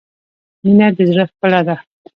• مینه د زړۀ ښکلا ده.